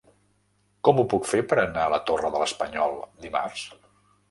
Com ho puc fer per anar a la Torre de l'Espanyol dimarts?